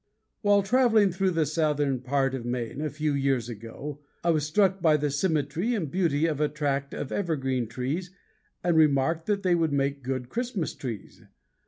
While traveling through the southern part of Maine a few years ago, I was struck by the symmetry and beauty of a tract of Evergreen Trees and remarked that they would make good Christmas trees.